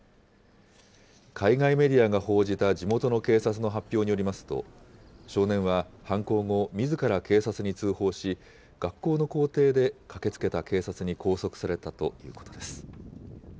海外メディアが報じた地元の警察の発表によりますと、少年は犯行後、みずから警察に通報し、学校の校庭で駆けつけた警察に拘束されたということです。